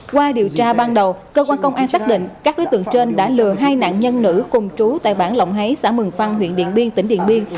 qua điều tra ban đầu cơ quan công an xác định các đối tượng trên đã lừa hai nạn nhân nữ cùng chú tại bảng lộng háy xã mừng phăn huyện điện biên tỉnh điện biên